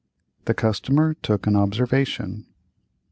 The customer took an observation.